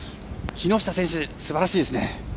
木下選手、すばらしいですね。